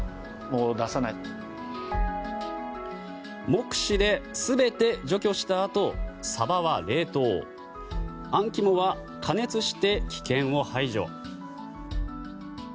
目視で全て除去したあとサバは冷凍あん肝は加熱して危険を排除。